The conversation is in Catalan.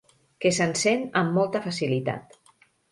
Que s'encén amb molta facilitat.